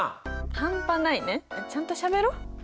「半端ない」ねちゃんとしゃべろう。